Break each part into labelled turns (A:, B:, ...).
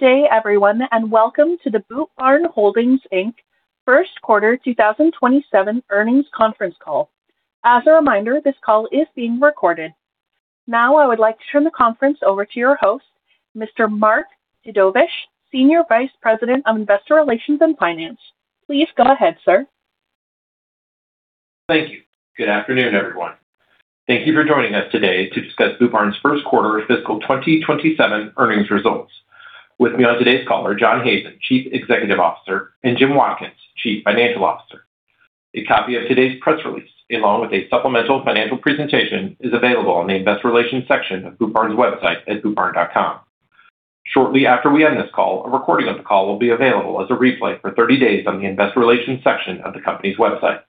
A: Good day everyone, welcome to the Boot Barn Holdings, Inc First Quarter 2027 Earnings conference call. As a reminder, this call is being recorded. Now, I would like to turn the conference over to your host, Mr. Mark Dedovesh, Senior Vice President, Investor Relations and Finance. Please go ahead, sir.
B: Thank you. Good afternoon, everyone. Thank you for joining us today to discuss Boot Barn's first quarter fiscal 2027 earnings results. With me on today's call are John Hazen, Chief Executive Officer, and Jim Watkins, Chief Financial Officer. A copy of today's press release, along with a supplemental financial presentation, is available on the investor relations section of bootbarn.com. Shortly after we end this call, a recording of the call will be available as a replay for 30 days on the investor relations section of the company's website.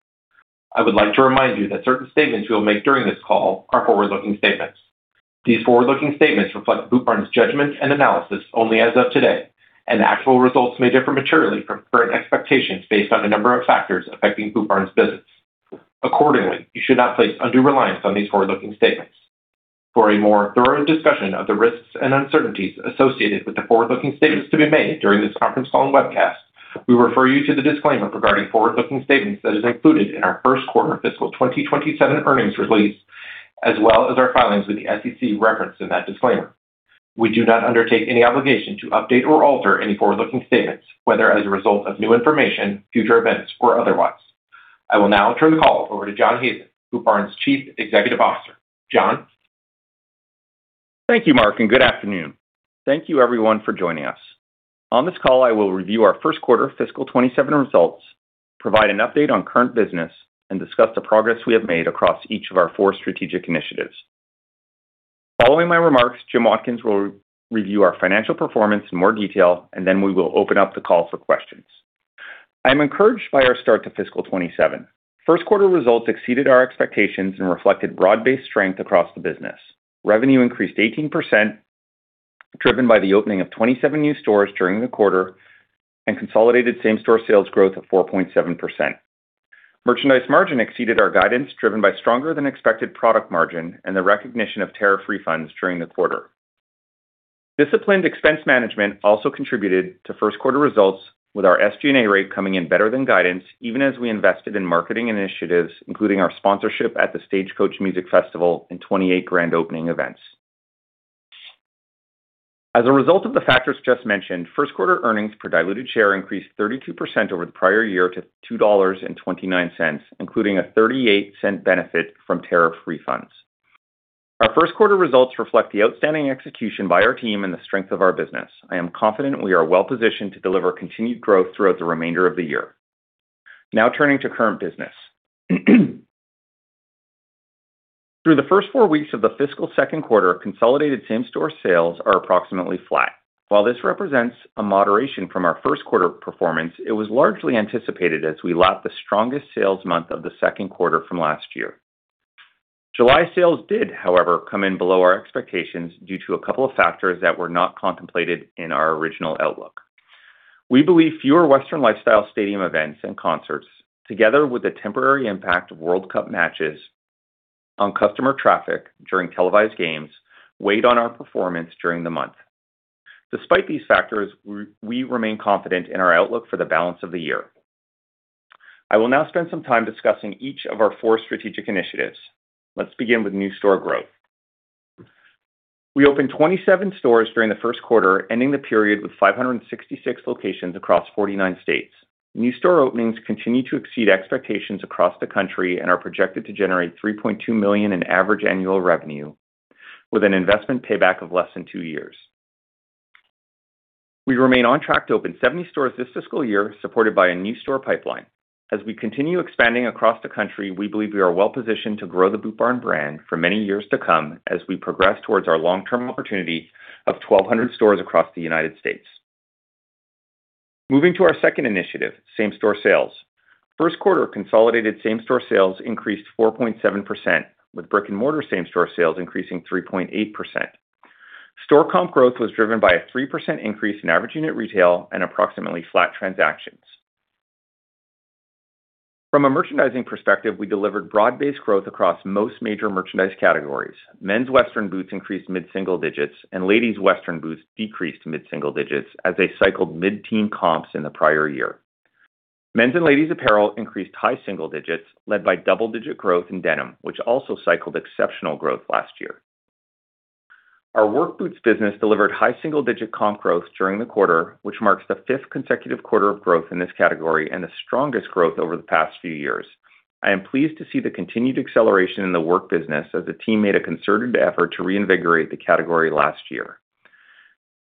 B: I would like to remind you that certain statements we will make during this call are forward-looking statements. These forward-looking statements reflect Boot Barn's judgments and analysis only as of today, actual results may differ materially from current expectations based on a number of factors affecting Boot Barn's business. Accordingly, you should not place undue reliance on these forward-looking statements. For a more thorough discussion of the risks and uncertainties associated with the forward-looking statements to be made during this conference call and webcast, we refer you to the disclaimer regarding forward-looking statements that is included in our first quarter fiscal 2027 earnings release, as well as our filings with the SEC referenced in that disclaimer. We do not undertake any obligation to update or alter any forward-looking statements, whether as a result of new information, future events, or otherwise. I will now turn the call over to John Hazen, Boot Barn's Chief Executive Officer. John?
C: Thank you, Mark, good afternoon. Thank you everyone for joining us. On this call, I will review our first quarter fiscal 2027 results, provide an update on current business, discuss the progress we have made across each of our four strategic initiatives. Following my remarks, Jim Watkins will review our financial performance in more detail, then we will open up the call for questions. I am encouraged by our start to fiscal 2027. First quarter results exceeded our expectations, reflected broad-based strength across the business. Revenue increased 18%, driven by the opening of 27 new stores during the quarter, consolidated same-store sales growth of 4.7%. Merchandise margin exceeded our guidance, driven by stronger than expected product margin, the recognition of tariff refunds during the quarter. Disciplined expense management also contributed to first quarter results, with our SG&A rate coming in better than guidance, even as we invested in marketing initiatives, including our sponsorship at the Stagecoach Music Festival and 28 grand opening events. As a result of the factors just mentioned, first quarter earnings per diluted share increased 32% over the prior year to $2.29, including a $0.38 benefit from tariff refunds. Our first quarter results reflect the outstanding execution by our team and the strength of our business. I am confident we are well-positioned to deliver continued growth throughout the remainder of the year. Now turning to current business. Through the first four weeks of the fiscal second quarter, consolidated same-store sales are approximately flat. While this represents a moderation from our first quarter performance, it was largely anticipated as we lapped the strongest sales month of the second quarter from last year. July sales did, however, come in below our expectations due to a couple of factors that were not contemplated in our original outlook. We believe fewer Western Lifestyle stadium events and concerts, together with the temporary impact of World Cup matches on customer traffic during televised games, weighed on our performance during the month. Despite these factors, we remain confident in our outlook for the balance of the year. I will now spend some time discussing each of our four strategic initiatives. Let's begin with new store growth. We opened 27 stores during the first quarter, ending the period with 566 locations across 49 states. New store openings continue to exceed expectations across the country and are projected to generate $3.2 million in average annual revenue with an investment payback of less than two years. We remain on track to open 70 stores this fiscal year, supported by a new store pipeline. As we continue expanding across the country, we believe we are well-positioned to grow the Boot Barn brand for many years to come as we progress towards our long-term opportunity of 1,200 stores across the United States. Moving to our second initiative, same-store sales. First quarter consolidated same-store sales increased 4.7%, with brick-and-mortar same-store sales increasing 3.8%. Store comp growth was driven by a 3% increase in average unit retail and approximately flat transactions. From a merchandising perspective, we delivered broad-based growth across most major merchandise categories. Men's Western boots increased mid-single digits and ladies' Western boots decreased mid-single digits as they cycled mid-teen comps in the prior year. Men's and ladies' apparel increased high single digits, led by double-digit growth in denim, which also cycled exceptional growth last year. Our Work boots business delivered high single-digit comp growth during the quarter, which marks the fifth consecutive quarter of growth in this category and the strongest growth over the past few years. I am pleased to see the continued acceleration in the Work business as the team made a concerted effort to reinvigorate the category last year.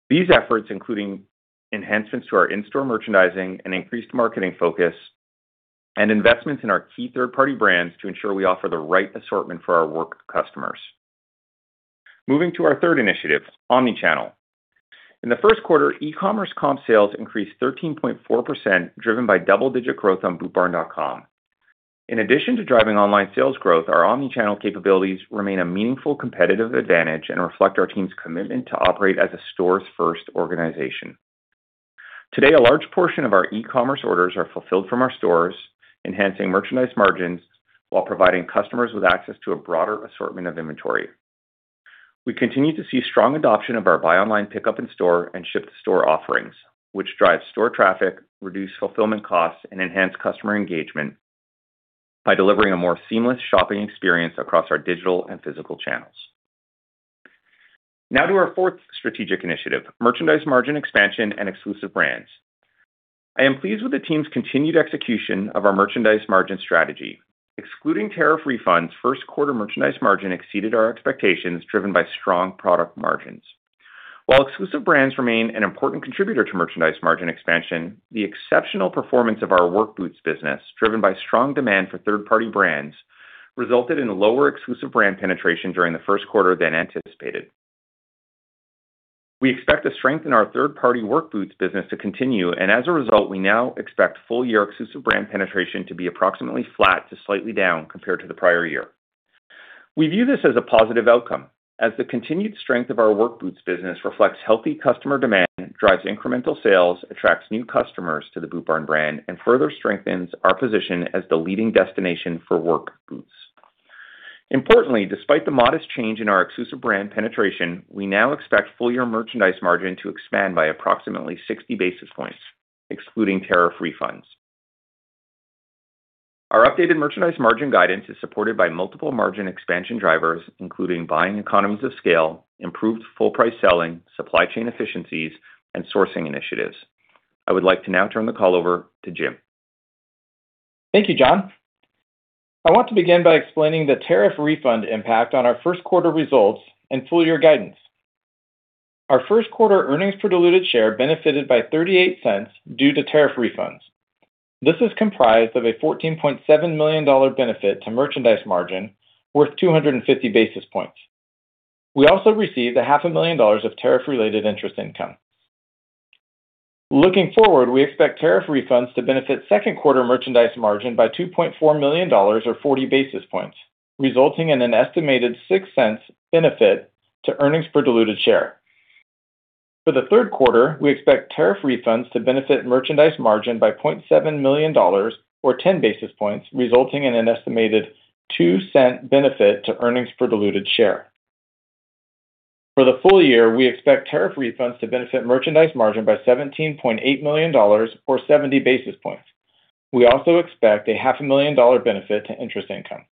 C: These efforts including enhancements to our in-store merchandising and increased marketing focus and investments in our key third-party brands to ensure we offer the right assortment for our Work customers. Moving to our third initiative, omnichannel. In the first quarter, e-commerce comp sales increased 13.4%, driven by double-digit growth on bootbarn.com. In addition to driving online sales growth, our omnichannel capabilities remain a meaningful competitive advantage and reflect our team's commitment to operate as a stores first organization. Today, a large portion of our e-commerce orders are fulfilled from our stores, enhancing merchandise margins while providing customers with access to a broader assortment of inventory. We continue to see strong adoption of our buy online pickup in-store and ship to store offerings, which drives store traffic, reduce fulfillment costs, and enhance customer engagement by delivering a more seamless shopping experience across our digital and physical channels. Now to our fourth strategic initiative, merchandise margin expansion and exclusive brands. I am pleased with the team's continued execution of our merchandise margin strategy. Excluding tariff refunds, first quarter merchandise margin exceeded our expectations, driven by strong product margins. While exclusive brands remain an important contributor to merchandise margin expansion, the exceptional performance of our Work boots business, driven by strong demand for third-party brands, resulted in lower exclusive brand penetration during the first quarter than anticipated. We expect to strengthen our third-party Work boots business to continue, and as a result, we now expect full-year exclusive brand penetration to be approximately flat to slightly down compared to the prior year. We view this as a positive outcome, as the continued strength of our Work boots business reflects healthy customer demand, drives incremental sales, attracts new customers to the Boot Barn brand, and further strengthens our position as the leading destination for work boots. Importantly, despite the modest change in our exclusive brand penetration, we now expect full-year merchandise margin to expand by approximately 60 basis points, excluding tariff refunds. Our updated merchandise margin guidance is supported by multiple margin expansion drivers, including buying economies of scale, improved full price selling, supply chain efficiencies, and sourcing initiatives. I would like to now turn the call over to Jim.
D: Thank you, John. I want to begin by explaining the tariff refund impact on our first quarter results and full-year guidance. Our first quarter earnings per diluted share benefited by $0.38 due to tariff refunds. This is comprised of a $14.7 million benefit to merchandise margin worth 250 basis points. We also received a half a million dollars of tariff-related interest income. Looking forward, we expect tariff refunds to benefit second quarter merchandise margin by $2.4 million, or 40 basis points, resulting in an estimated $0.06 benefit to earnings per diluted share. For the third quarter, we expect tariff refunds to benefit merchandise margin by $0.7 million or 10 basis points, resulting in an estimated $0.02 benefit to earnings per diluted share. For the full-year, we expect tariff refunds to benefit merchandise margin by $17.8 million or 70 basis points. We also expect a half a million dollar benefit to interest income.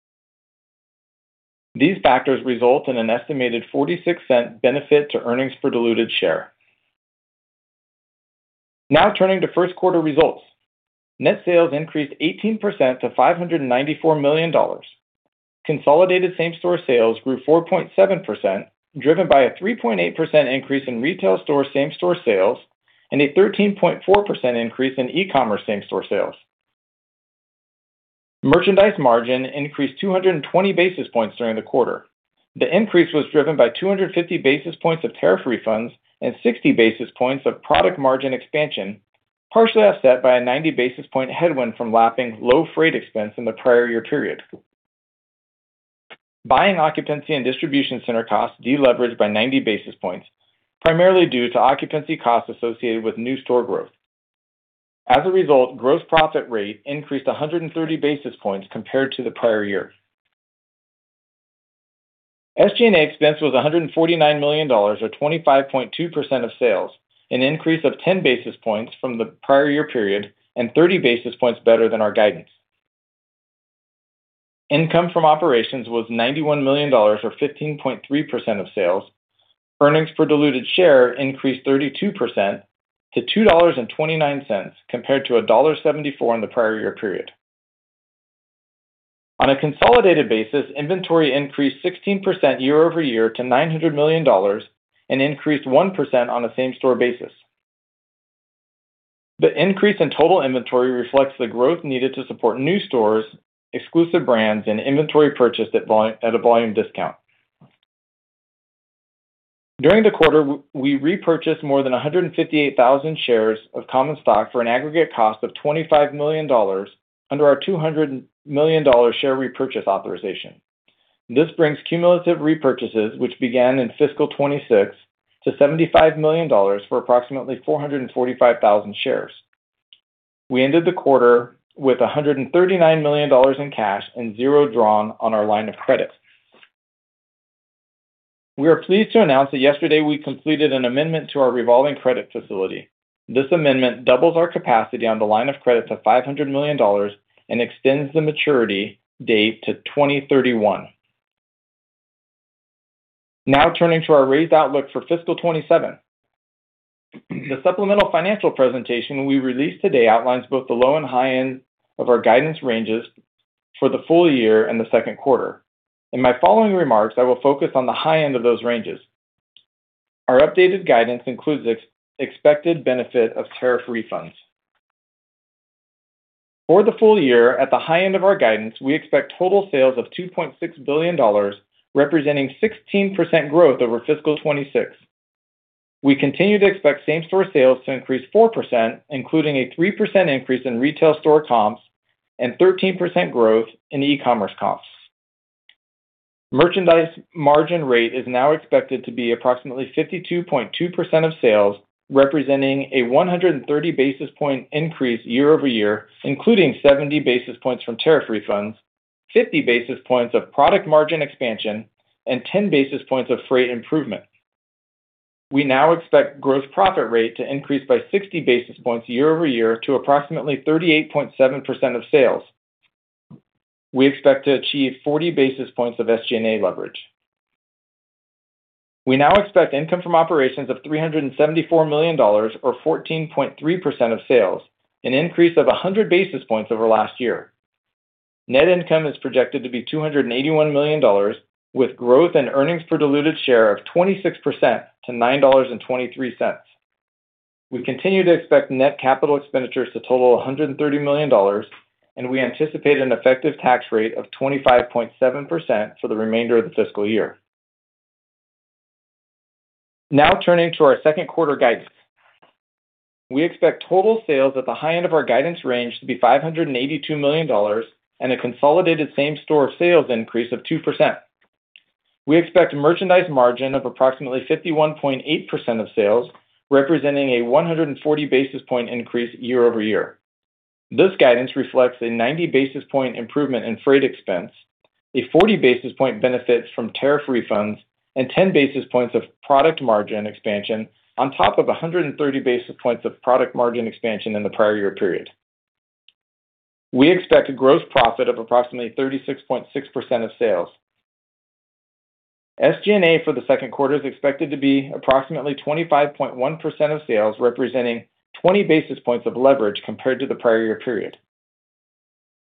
D: These factors result in an estimated $0.46 benefit to earnings per diluted share. Turning to first quarter results. Net sales increased 18% to $594 million. Consolidated same-store sales grew 4.7%, driven by a 3.8% increase in retail store same-store sales and a 13.4% increase in e-commerce same-store sales. Merchandise margin increased 220 basis points during the quarter. The increase was driven by 250 basis points of tariff refunds and 60 basis points of product margin expansion, partially offset by a 90 basis point headwind from lapping low freight expense in the prior year period. Buying occupancy and distribution center costs deleveraged by 90 basis points, primarily due to occupancy costs associated with new store growth. As a result, gross profit rate increased 130 basis points compared to the prior year. SG&A expense was $149 million, or 25.2% of sales, an increase of 10 basis points from the prior year period and 30 basis points better than our guidance. Income from operations was $91 million or 15.3% of sales. Earnings per diluted share increased 32% to $2.29 compared to $1.74 in the prior year period. On a consolidated basis, inventory increased 16% year over year to $900 million and increased 1% on a same-store basis. The increase in total inventory reflects the growth needed to support new stores, exclusive brands, and inventory purchased at a volume discount. During the quarter, we repurchased more than 158,000 shares of common stock for an aggregate cost of $25 million under our $200 million share repurchase authorization. This brings cumulative repurchases, which began in fiscal 2026, to $75 million for approximately 445,000 shares. We ended the quarter with $139 million in cash and zero drawn on our line of credit. We are pleased to announce that yesterday we completed an amendment to our revolving credit facility. This amendment doubles our capacity on the line of credit to $500 million and extends the maturity date to 2031. Turning to our raised outlook for fiscal 2027. The supplemental financial presentation we released today outlines both the low and high end of our guidance ranges for the full year and the second quarter. In my following remarks, I will focus on the high end of those ranges. Our updated guidance includes the expected benefit of tariff refunds. For the full year at the high end of our guidance, we expect total sales of $2.6 billion, representing 16% growth over fiscal 2026. We continue to expect same-store sales to increase 4%, including a 3% increase in retail store comps and 13% growth in e-commerce comps. Merchandise margin rate is now expected to be approximately 52.2% of sales, representing a 130 basis point increase year over year, including 70 basis points from tariff refunds, 50 basis points of product margin expansion, and 10 basis points of freight improvement. We now expect gross profit rate to increase by 60 basis points year over year to approximately 38.7% of sales. We expect to achieve 40 basis points of SG&A leverage. We now expect income from operations of $374 million or 14.3% of sales, an increase of 100 basis points over last year. Net income is projected to be $281 million, with growth in earnings per diluted share of 26% to $9.23. We continue to expect net capital expenditures to total $130 million. We anticipate an effective tax rate of 25.7% for the remainder of the fiscal year. Turning to our second quarter guidance. We expect total sales at the high end of our guidance range to be $582 million. A consolidated same-store sales increase of 2%. We expect merchandise margin of approximately 51.8% of sales, representing a 140 basis point increase year-over-year. This guidance reflects a 90 basis point improvement in freight expense, a 40 basis point benefit from tariff refunds, 10 basis points of product margin expansion on top of 130 basis points of product margin expansion in the prior year period. We expect a gross profit of approximately 36.6% of sales. SG&A for the second quarter is expected to be approximately 25.1% of sales, representing 20 basis points of leverage compared to the prior year period.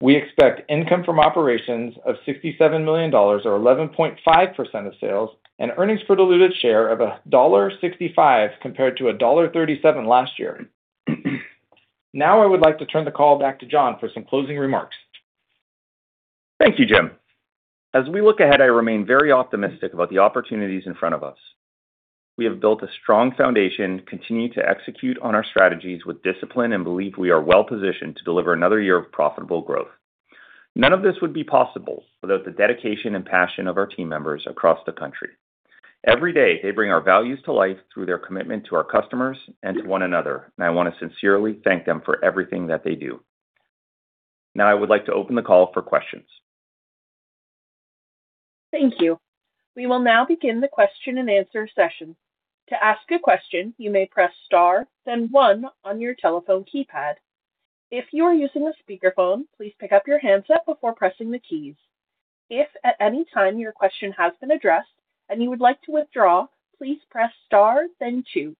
D: We expect income from operations of $67 million or 11.5% of sales. Earnings per diluted share of $1.65 compared to $1.37 last year. I would like to turn the call back to John for some closing remarks.
C: Thank you, Jim. We look ahead, I remain very optimistic about the opportunities in front of us. We have built a strong foundation, continue to execute on our strategies with discipline. We believe we are well-positioned to deliver another year of profitable growth. None of this would be possible without the dedication and passion of our team members across the country. Every day, they bring our values to life through their commitment to our customers and to one another. I want to sincerely thank them for everything that they do. I would like to open the call for questions.
A: Thank you. We will now begin the question and answer session. To ask a question, you may press star then one on your telephone keypad. If you are using a speakerphone, please pick up your handset before pressing the keys. If at any time your question has been addressed and you would like to withdraw, please press star then two.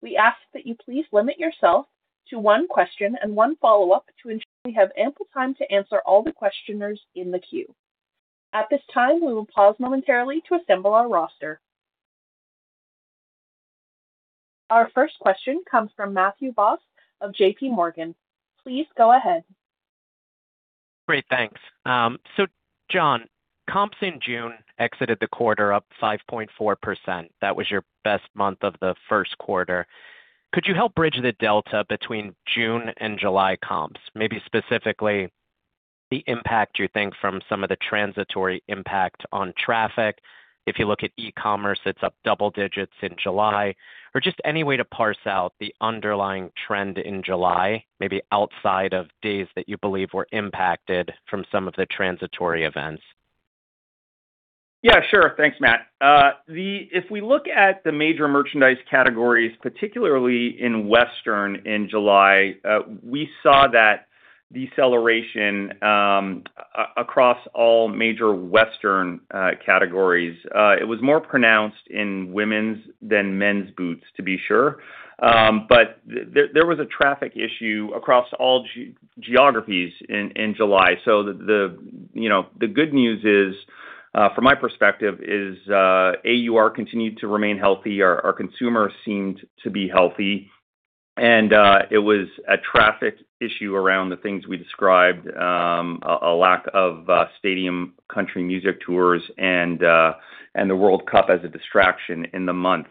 A: We ask that you please limit yourself to one question and one follow-up to ensure we have ample time to answer all the questioners in the queue. At this time, we will pause momentarily to assemble our roster. Our first question comes from Matthew Boss of JPMorgan. Please go ahead.
E: Great. Thanks. John, comps in June exited the quarter up 5.4%. That was your best month of the first quarter. Could you help bridge the delta between June and July comps, maybe specifically the impact you think from some of the transitory impact on traffic? If you look at e-commerce, it's up double digits in July, or just any way to parse out the underlying trend in July, maybe outside of days that you believe were impacted from some of the transitory events.
C: Yeah, sure. Thanks, Matt. If we look at the major merchandise categories, particularly in western in July, we saw that deceleration across all major western categories. It was more pronounced in women's than men's boots to be sure. There was a traffic issue across all geographies in July. The good news is, from my perspective, is AUR continued to remain healthy. Our consumer seemed to be healthy, and it was a traffic issue around the things we described, a lack of stadium country music tours and the World Cup as a distraction in the month.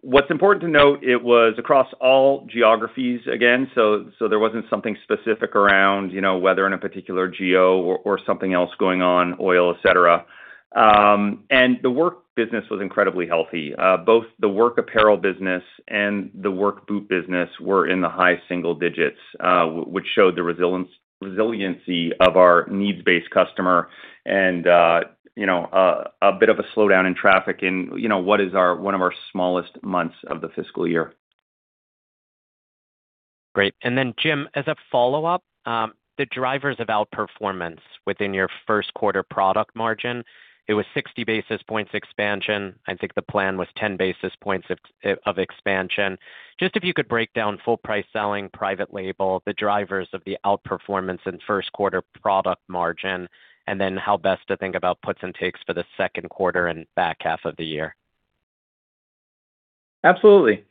C: What's important to note, it was across all geographies again, so there wasn't something specific around weather in a particular geo or something else going on, oil, et cetera. The Work business was incredibly healthy. Both the Work apparel business and the Work boot business were in the high single digits, which showed the resiliency of our needs-based customer and a bit of a slowdown in traffic in what is one of our smallest months of the fiscal year.
E: Great. Jim, as a follow-up, the drivers of outperformance within your first quarter product margin, it was 60 basis points expansion. I think the plan was 10 basis points of expansion. Just if you could break down full price selling, private label, the drivers of the outperformance in first quarter product margin, how best to think about puts and takes for the second quarter and back half of the year.
D: Absolutely.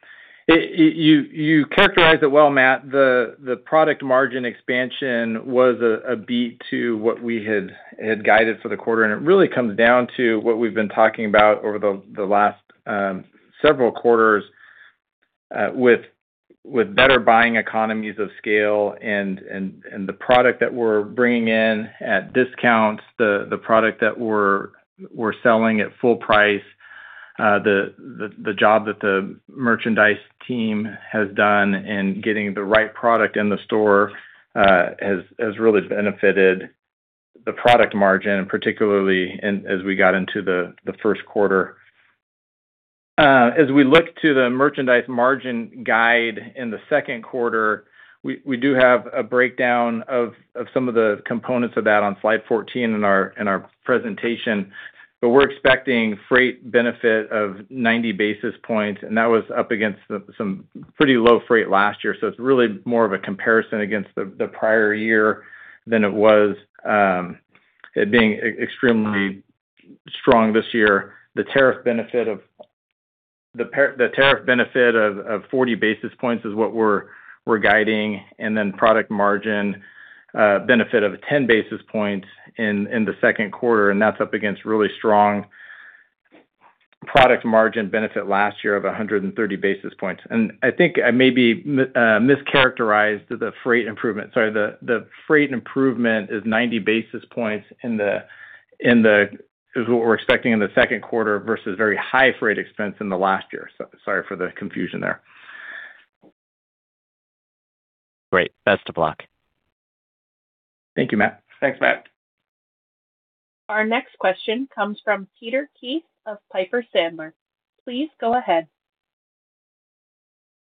D: You characterized it well, Matt. The product margin expansion was a beat to what we had guided for the quarter. It really comes down to what we've been talking about over the last several quarters. With better buying economies of scale and the product that we're bringing in at discounts, the product that we're selling at full price, the job that the merchandise team has done in getting the right product in the store has really benefited the product margin, particularly as we got into the first quarter. As we look to the merchandise margin guide in the second quarter, we do have a breakdown of some of the components of that on slide 14 in our presentation. We're expecting freight benefit of 90 basis points. That was up against some pretty low freight last year, it's really more of a comparison against the prior year than it was it being extremely strong this year. The tariff benefit of 40 basis points is what we're guiding. Then product margin benefit of 10 basis points in the second quarter. That's up against really strong product margin benefit last year of 130 basis points. I think I maybe mischaracterized the freight improvement. Sorry. The freight improvement is 90 basis points, is what we're expecting in the second quarter versus very high freight expense in the last year. Sorry for the confusion there.
E: Great. Best of luck.
D: Thank you, Matt.
C: Thanks, Matt.
A: Our next question comes from Peter Keith of Piper Sandler. Please go ahead.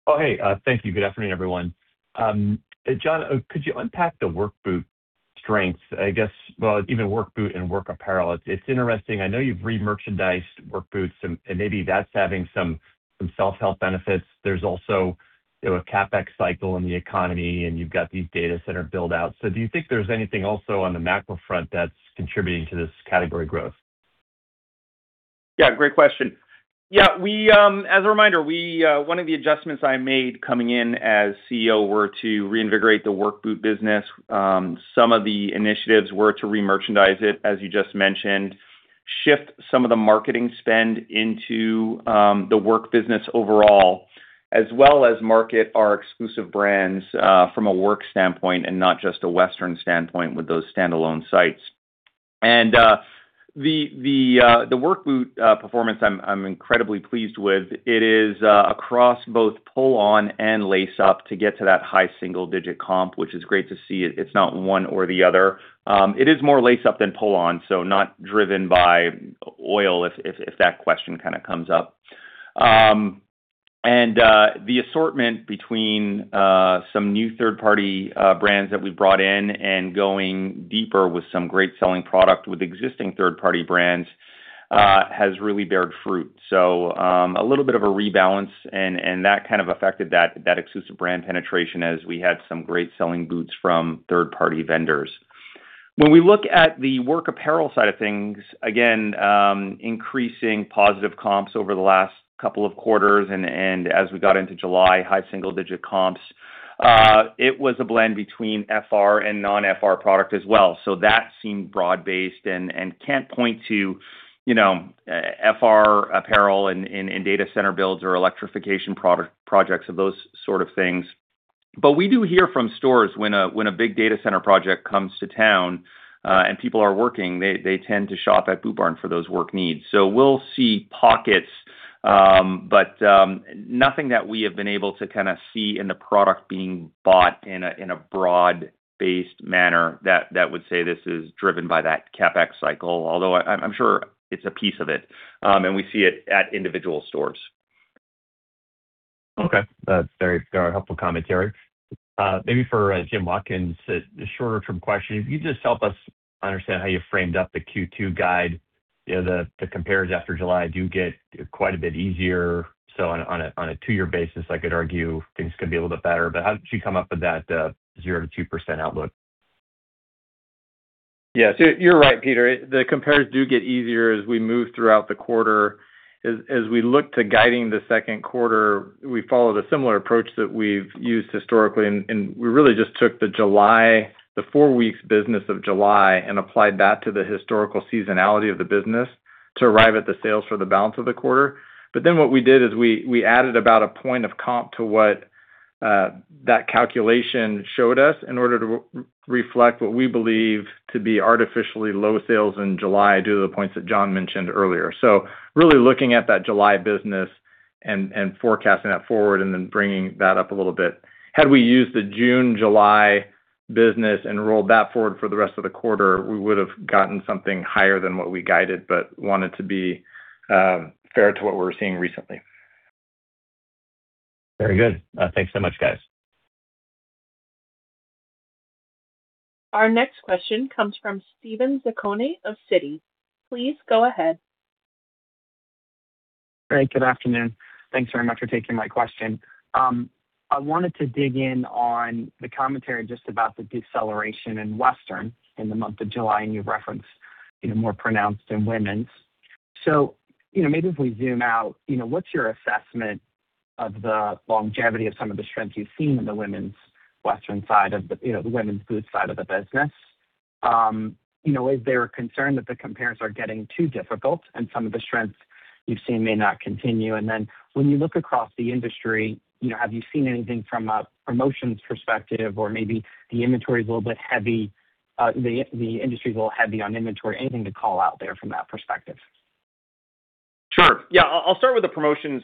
F: Oh, hey. Thank you. Good afternoon, everyone. John, could you unpack the Work boot strengths? I guess, well, even Work boot and Work apparel. It's interesting. I know you've re-merchandised Work boots and maybe that's having some self-help benefits. There's also a CapEx cycle in the economy, and you've got these data center build-outs. Do you think there's anything also on the macro front that's contributing to this category growth?
C: Yeah, great question. Yeah. As a reminder, one of the adjustments I made coming in as CEO were to reinvigorate the Work boot business. Some of the initiatives were to re-merchandise it, as you just mentioned, shift some of the marketing spend into the Work business overall, as well as market our exclusive brands from a Work standpoint and not just a Western standpoint with those standalone sites. The Work boot performance I'm incredibly pleased with. It is across both pull-on and lace-up to get to that high single-digit comp, which is great to see. It's not one or the other. It is more lace-up than pull-on, not driven by oil if that question kind of comes up. The assortment between some new third-party brands that we brought in and going deeper with some great selling product with existing third-party brands has really beared fruit. A little bit of a rebalance, and that kind of affected that exclusive brand penetration as we had some great selling boots from third-party vendors. When we look at the Work apparel side of things, again, increasing positive comps over the last couple of quarters, and as we got into July, high single-digit comps. It was a blend between FR and non-FR product as well. That seemed broad-based and can't point to FR apparel in data center builds or electrification projects or those sort of things. We do hear from stores when a big data center project comes to town and people are working, they tend to shop at Boot Barn for those work needs. We'll see pockets, but nothing that we have been able to kind of see in the product being bought in a broad-based manner that would say this is driven by that CapEx cycle. I'm sure it's a piece of it, and we see it at individual stores.
F: Okay. That's very helpful commentary. Maybe for Jim Watkins, a shorter-term question. If you could just help us understand how you framed up the Q2 guide. The compares after July do get quite a bit easier. On a two-year basis, I could argue things could be a little bit better. How did you come up with that 0%-2% outlook?
D: Yeah. You're right, Peter. The compares do get easier as we move throughout the quarter. As we look to guiding the second quarter, we followed a similar approach that we've used historically, and we really just took the four weeks business of July and applied that to the historical seasonality of the business to arrive at the sales for the balance of the quarter. What we did is we added about a point of comp to what that calculation showed us in order to reflect what we believe to be artificially low sales in July due to the points that John mentioned earlier. Really looking at that July business and forecasting that forward, bringing that up a little bit. Had we used the June, July business and rolled that forward for the rest of the quarter, we would have gotten something higher than what we guided, but wanted to be fair to what we were seeing recently.
F: Very good. Thanks so much, guys.
A: Our next question comes from Steven Zaccone of Citi. Please go ahead.
G: Great. Good afternoon. Thanks very much for taking my question. I wanted to dig in on the commentary just about the deceleration in Western in the month of July. You referenced more pronounced in women's. Maybe if we zoom out, what's your assessment of the longevity of some of the strengths you've seen in the women's Western side of the women's boots side of the business? Is there a concern that the comparisons are getting too difficult and some of the strengths you've seen may not continue? Then when you look across the industry, have you seen anything from a promotions perspective or maybe the inventory's a little bit heavy, the industry's a little heavy on inventory? Anything to call out there from that perspective?
C: Sure. Yeah. I'll start with the promotions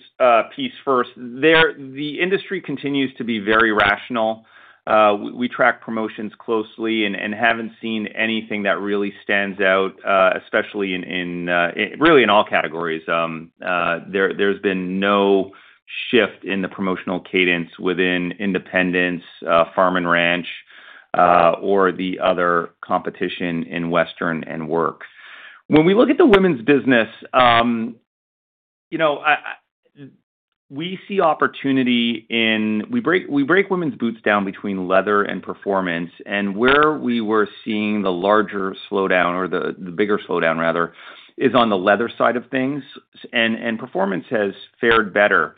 C: piece first. The industry continues to be very rational. We track promotions closely and haven't seen anything that really stands out, especially in all categories. There's been no shift in the promotional cadence within independents, Farm & Ranch, or the other competition in Western and Work. When we look at the women's business, we see opportunity. We break women's boots down between leather and performance, and where we were seeing the larger slowdown, or the bigger slowdown rather, is on the leather side of things. Performance has fared better.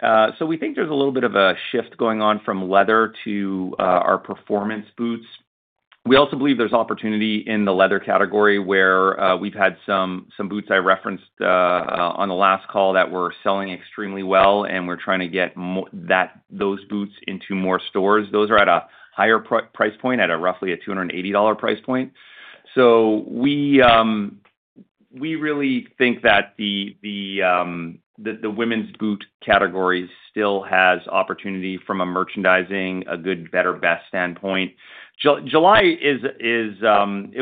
C: We think there's a little bit of a shift going on from leather to our performance boots. We also believe there's opportunity in the leather category, where we've had some boots I referenced on the last call that were selling extremely well, and we're trying to get those boots into more stores. Those are at a higher price point, at roughly a $280 price point. We really think that the women's boot category still has opportunity from a merchandising, a good, better, best standpoint. July, again,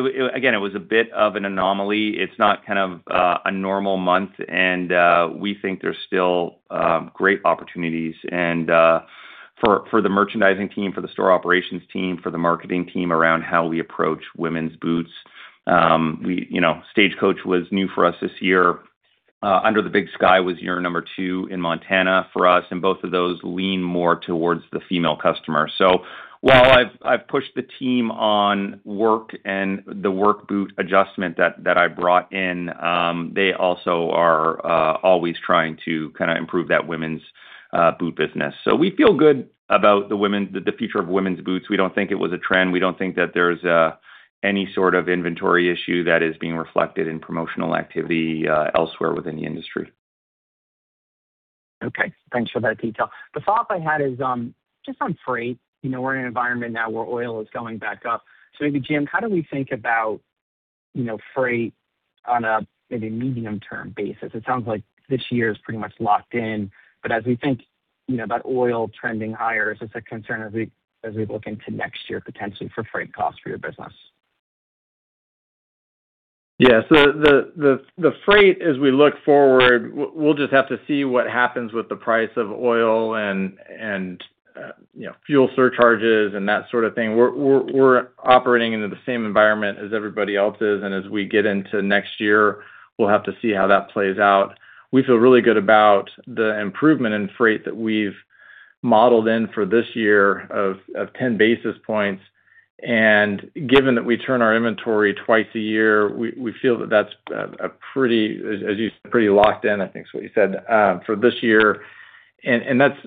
C: it was a bit of an anomaly. It's not a normal month, and we think there's still great opportunities. For the merchandising team, for the store operations team, for the marketing team around how we approach women's boots. Stagecoach was new for us this year. Under the Big Sky was year number two in Montana for us, and both of those lean more towards the female customer. While I've pushed the team on Work and the Work boot adjustment that I brought in, they also are always trying to improve that women's boot business. We feel good about the future of women's boots. We don't think it was a trend. We don't think that there's any sort of inventory issue that is being reflected in promotional activity elsewhere within the industry.
G: Okay. Thanks for that detail. The follow-up I had is just on freight. We're in an environment now where oil is going back up. Maybe, Jim, how do we think about freight on a maybe medium-term basis? It sounds like this year is pretty much locked in. As we think about oil trending higher, is this a concern as we look into next year, potentially for freight costs for your business?
D: Yeah. The freight, as we look forward, we'll just have to see what happens with the price of oil and fuel surcharges and that sort of thing. We're operating into the same environment as everybody else is. As we get into next year, we'll have to see how that plays out. We feel really good about the improvement in freight that we've modeled in for this year of 10 basis points. Given that we turn our inventory twice a year, we feel that that's a pretty, as you said, pretty locked in, I think is what you said, for this year. That's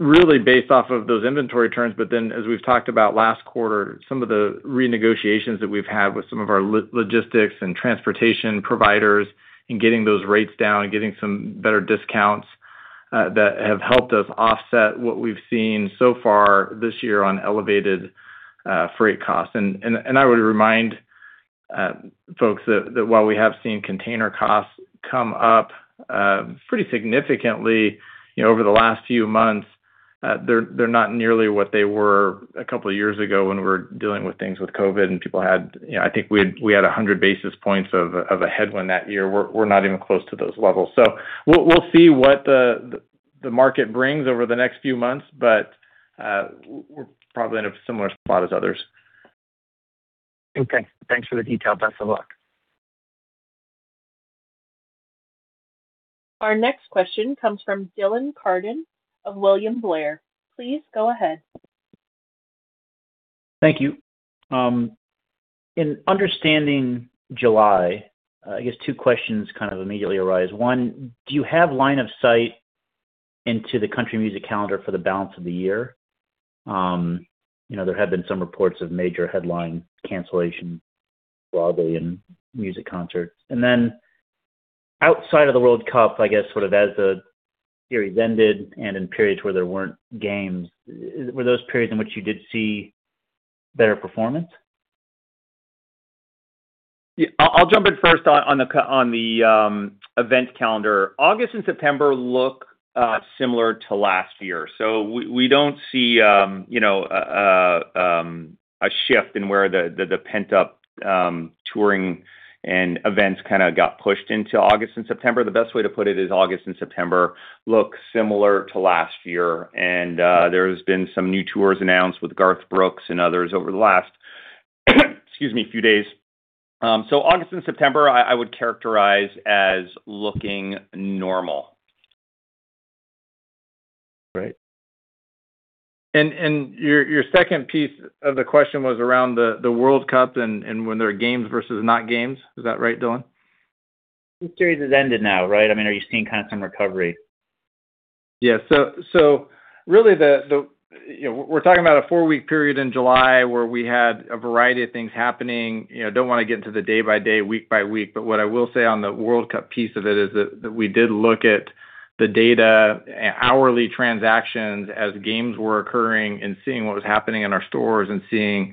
D: really based off of those inventory turns. As we've talked about last quarter, some of the renegotiations that we've had with some of our logistics and transportation providers in getting those rates down and getting some better discounts that have helped us offset what we've seen so far this year on elevated freight costs. I would remind folks that while we have seen container costs come up pretty significantly over the last few months, they're not nearly what they were a couple of years ago when we were dealing with things with COVID. I think we had 100 basis points of a headwind that year. We're not even close to those levels. We'll see what the market brings over the next few months, but we're probably in a similar spot as others.
G: Okay. Thanks for the detail. Best of luck.
A: Our next question comes from Dylan Carden of William Blair. Please go ahead.
H: Thank you. In understanding July, I guess two questions kind of immediately arise. One, do you have line of sight into the country music calendar for the balance of the year? There have been some reports of major headline cancellation broadly in music concerts. Outside of the World Cup, I guess sort of as the series ended and in periods where there weren't games, were those periods in which you did see better performance?
C: Yeah. I'll jump in first on the event calendar. August and September look similar to last year. We don't see a shift in where the pent-up touring and events got pushed into August and September. The best way to put it is August and September look similar to last year. There has been some new tours announced with Garth Brooks and others over the last excuse me, few days. August and September, I would characterize as looking normal.
H: Great.
D: Your second piece of the question was around the World Cup and when there are games versus not games. Is that right, Dylan?
H: The series has ended now, right? Are you seeing some recovery?
D: Yes. Really, we're talking about a four-week period in July where we had a variety of things happening. I don't want to get into the day by day, week by week. What I will say on the World Cup piece of it is that we did look at the data hourly transactions as games were occurring and seeing what was happening in our stores and seeing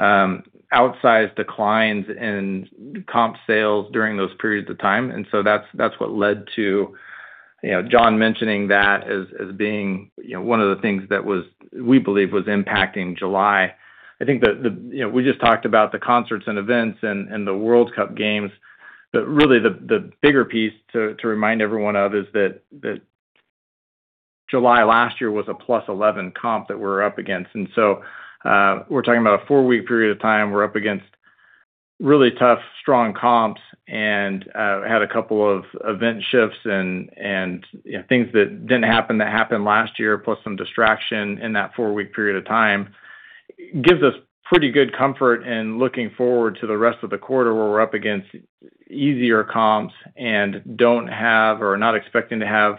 D: outsized declines in comp sales during those periods of time. That's what led to John mentioning that as being one of the things that we believe was impacting July. I think we just talked about the concerts and events and the World Cup games. Really, the bigger piece to remind everyone of is that July last year was a +11 comp that we're up against. We're talking about a four-week period of time. We're up against really tough, strong comps and had a couple of event shifts and things that didn't happen that happened last year, plus some distraction in that four-week period of time. Gives us pretty good comfort in looking forward to the rest of the quarter where we're up against easier comps and don't have or are not expecting to have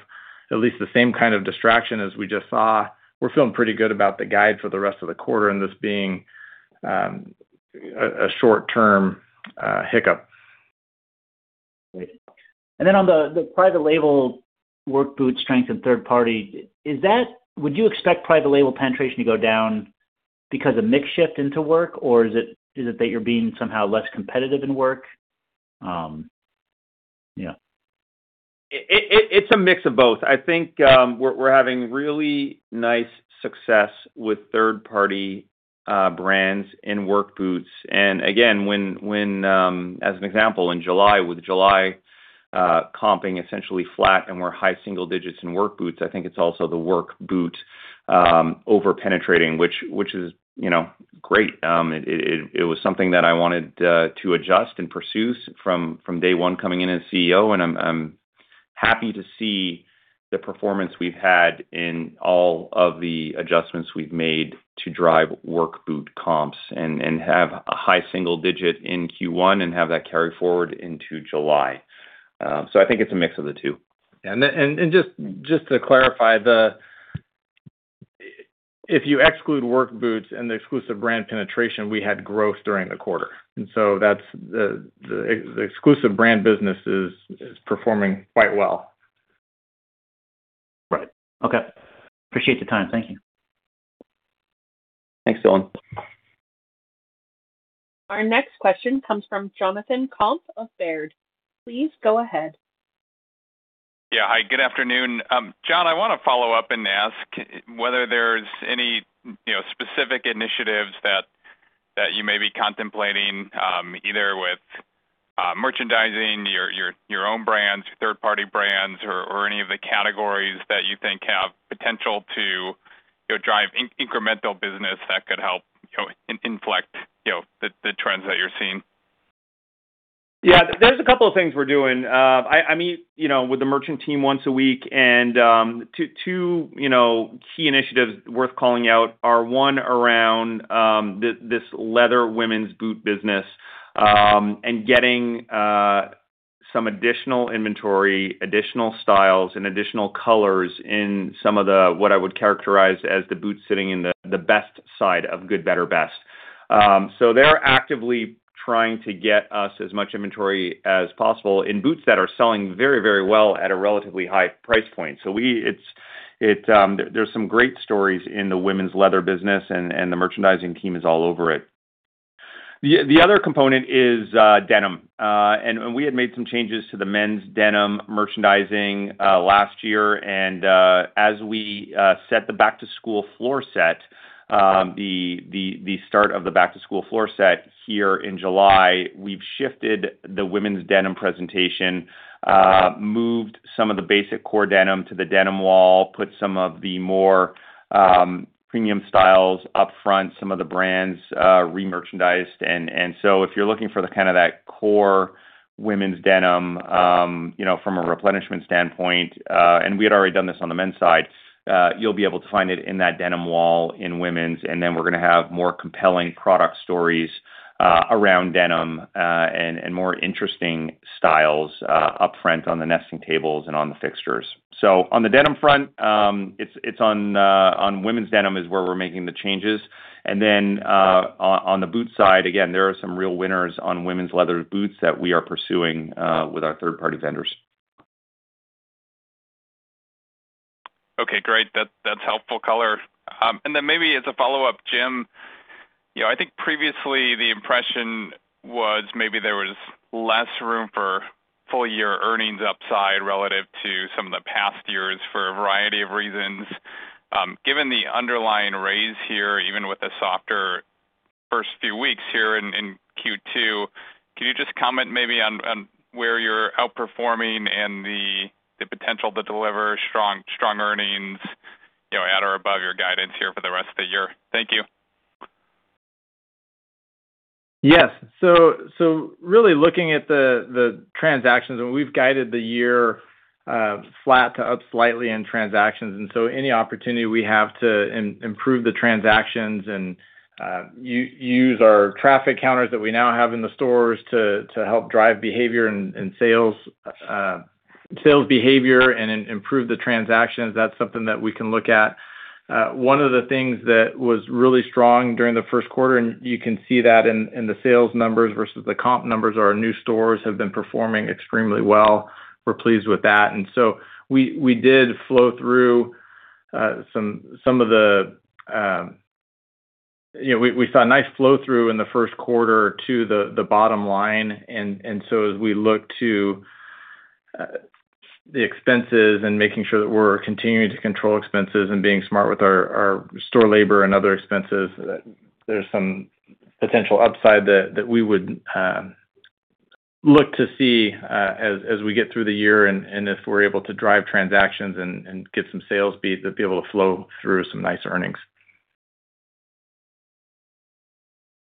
D: at least the same kind of distraction as we just saw. We're feeling pretty good about the guide for the rest of the quarter, and this being a short-term hiccup.
H: Great. On the private label Work boot strength and third party, would you expect private label penetration to go down because of mix shift into Work? Or is it that you're being somehow less competitive in Work? Yeah.
C: It's a mix of both. I think we're having really nice success with third-party brands in work boots. Again, as an example, in July, with July comping essentially flat and we're high single digits in work boots, I think it's also the work boot over-penetrating, which is great. It was something that I wanted to adjust and pursue from day one coming in as CEO. I'm happy to see the performance we've had in all of the adjustments we've made to drive work boot comps and have a high single digit in Q1 and have that carry forward into July. I think it's a mix of the two.
D: Just to clarify, if you exclude work boots and the exclusive brand penetration, we had growth during the quarter. So the exclusive brand business is performing quite well.
H: Right. Okay. Appreciate the time. Thank you.
C: Thanks, Dylan.
A: Our next question comes from Jonathan Komp of Baird. Please go ahead.
I: Yeah. Hi, good afternoon. John, I want to follow up and ask whether there's any specific initiatives that you may be contemplating either with merchandising your own brands, third-party brands, or any of the categories that you think have potential to drive incremental business that could help inflect the trends that you're seeing.
C: There's a couple of things we're doing. I meet with the merchant team once a week. Two key initiatives worth calling out are, one around this leather women's boot business and getting some additional inventory, additional styles, and additional colors in some of the, what I would characterize as the boot sitting in the best side of good, better, best. They're actively trying to get us as much inventory as possible in boots that are selling very well at a relatively high price point. There's some great stories in the women's leather business, and the merchandising team is all over it. The other component is denim. We had made some changes to the men's denim merchandising last year. As we set the back-to-school floor set, the start of the back-to-school floor set here in July, we've shifted the women's denim presentation, moved some of the basic core denim to the denim wall, put some of the more premium styles up front, some of the brands remerchandised. If you're looking for that core women's denim from a replenishment standpoint, and we had already done this on the men's side, you'll be able to find it in that denim wall in women's. We're going to have more compelling product stories around denim, and more interesting styles up front on the nesting tables and on the fixtures. On the denim front, it's on women's denim is where we're making the changes. On the boot side, again, there are some real winners on women's leather boots that we are pursuing with our third-party vendors.
I: Okay, great. That's helpful color. Maybe as a follow-up, Jim, I think previously the impression was maybe there was less room for full-year earnings upside relative to some of the past years for a variety of reasons. Given the underlying raise here, even with the softer first few weeks here in Q2, can you just comment maybe on where you're outperforming and the potential to deliver strong earnings at or above your guidance here for the rest of the year? Thank you.
D: Yes. Really looking at the transactions, we've guided the year flat to up slightly in transactions. Any opportunity we have to improve the transactions and use our traffic counters that we now have in the stores to help drive behavior and sales behavior and improve the transactions, that's something that we can look at. One of the things that was really strong during the first quarter, and you can see that in the sales numbers versus the comp numbers, are our new stores have been performing extremely well. We're pleased with that. We saw a nice flow through in the first quarter to the bottom line. As we look to the expenses and making sure that we're continuing to control expenses and being smart with our store labor and other expenses, there's some potential upside that we would look to see as we get through the year and if we're able to drive transactions and get some sales beat, they'll be able to flow through some nice earnings.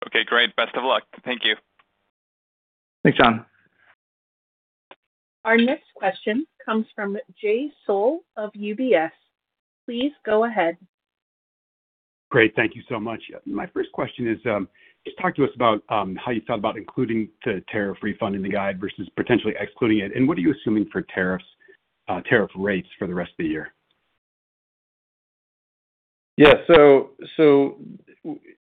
I: Okay, great. Best of luck. Thank you.
D: Thanks, Jon.
A: Our next question comes from Jay Sole of UBS. Please go ahead.
J: Great. Thank you so much. My first question is, just talk to us about how you thought about including the tariff refund in the guide versus potentially excluding it, and what are you assuming for tariff rates for the rest of the year?
D: Yeah.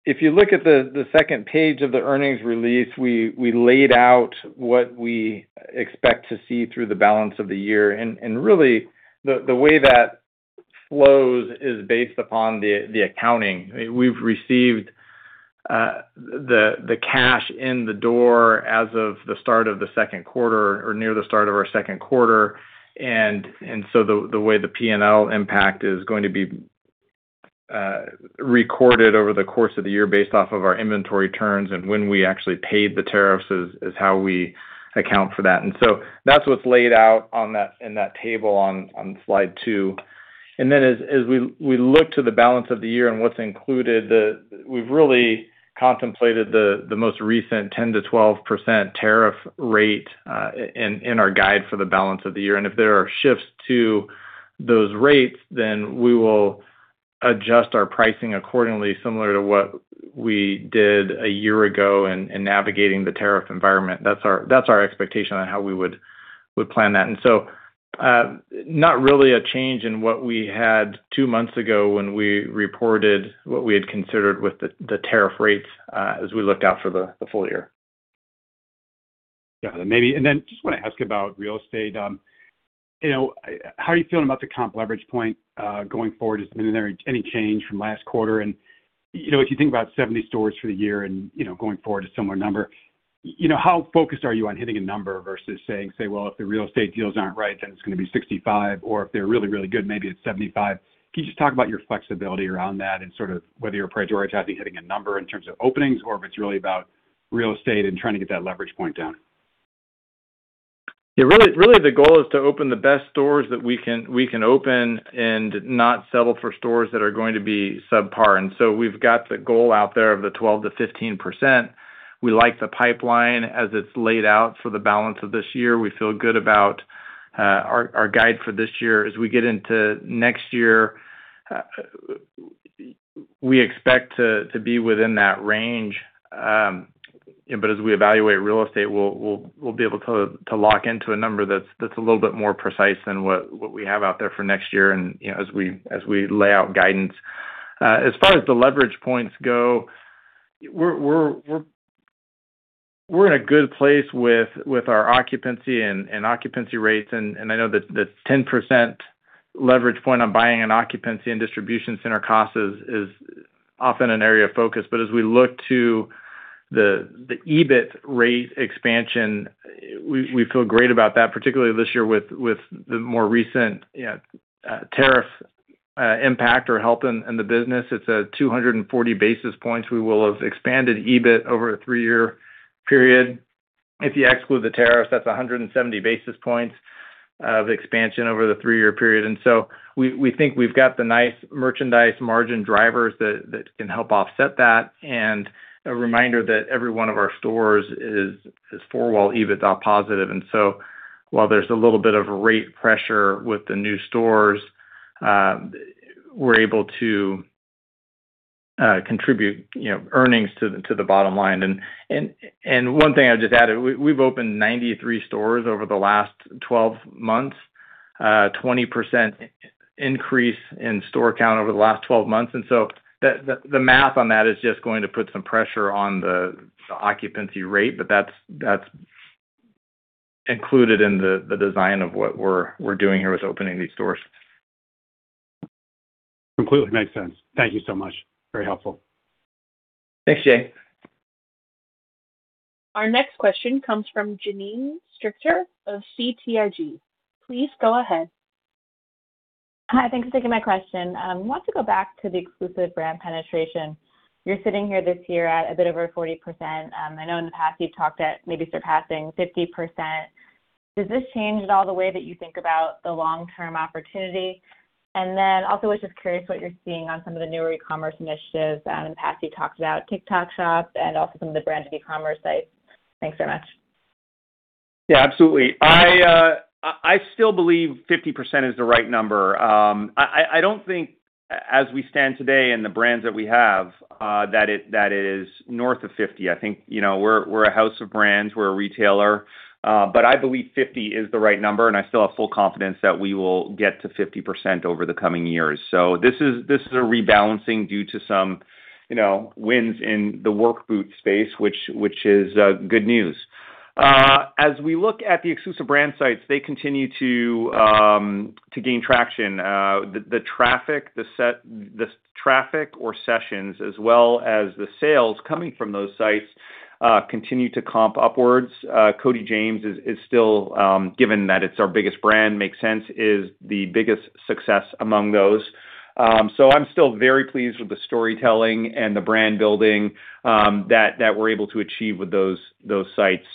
D: If you look at the second page of the earnings release, we laid out what we expect to see through the balance of the year. Really, the way that flows is based upon the accounting. We've received the cash in the door as of the start of the second quarter or near the start of our second quarter. The way the P&L impact is going to be recorded over the course of the year based off of our inventory turns and when we actually paid the tariffs is how we account for that. That's what's laid out in that table on slide two. As we look to the balance of the year and what's included, we've really contemplated the most recent 10%-12% tariff rate in our guide for the balance of the year. If there are shifts to those rates, then we will adjust our pricing accordingly, similar to what we did a year ago in navigating the tariff environment. That's our expectation on how we would plan that. Not really a change in what we had two months ago when we reported what we had considered with the tariff rates as we looked out for the full year.
J: Got it. Then just want to ask about real estate. How are you feeling about the comp leverage point going forward? Has there been any change from last quarter? If you think about 70 stores for the year and going forward a similar number, how focused are you on hitting a number versus saying, "Well, if the real estate deals aren't right, then it's going to be 65, or if they're really, really good, maybe it's 75." Can you just talk about your flexibility around that and sort of whether you're prioritizing hitting a number in terms of openings or if it's really about real estate and trying to get that leverage point down?
D: Yeah, really the goal is to open the best stores that we can open and not settle for stores that are going to be subpar. We've got the goal out there of the 12%-15%. We like the pipeline as it's laid out for the balance of this year. We feel good about our guide for this year. As we get into next year, we expect to be within that range. As we evaluate real estate, we'll be able to lock into a number that's a little bit more precise than what we have out there for next year and as we lay out guidance. As far as the leverage points go, we're in a good place with our occupancy and occupancy rates, and I know that 10% leverage point on buying and occupancy and distribution center costs is often an area of focus. As we look to the EBIT rate expansion, we feel great about that, particularly this year with the more recent tariff impact or help in the business. It's at 240 basis points we will have expanded EBIT over a three-year period. If you exclude the tariffs, that's 170 basis points of expansion over the three-year period. We think we've got the nice merchandise margin drivers that can help offset that. A reminder that every one of our stores is four-wall EBIT positive. While there's a little bit of rate pressure with the new stores, we're able to contribute earnings to the bottom line. One thing I'd just add, we've opened 93 stores over the last 12 months, 20% increase in store count over the last 12 months. The math on that is just going to put some pressure on the occupancy rate, but that's included in the design of what we're doing here with opening these stores.
J: Completely makes sense. Thank you so much. Very helpful.
C: Thanks, Jay.
A: Our next question comes from Janine Stichter of BTIG. Please go ahead.
K: Hi, thanks for taking my question. I want to go back to the exclusive brand penetration. You're sitting here this year at a bit over 40%. I know in the past you've talked at maybe surpassing 50%. Does this change at all the way that you think about the long-term opportunity? Also was just curious what you're seeing on some of the newer e-commerce initiatives. In the past, you talked about TikTok Shop and also some of the brand new e-commerce sites. Thanks so much.
C: Absolutely. I still believe 50% is the right number. I don't think as we stand today and the brands that we have, that it is north of 50%. I think we're a house of brands, we're a retailer. I believe 50% is the right number, and I still have full confidence that we will get to 50% over the coming years. This is a rebalancing due to some wins in the work boot space, which is good news. As we look at the exclusive brands sites, they continue to gain traction. The traffic or sessions as well as the sales coming from those sites, continue to comp upwards. Cody James is still, given that it's our biggest brand, makes sense, is the biggest success among those. I'm still very pleased with the storytelling and the brand building that we're able to achieve with those sites.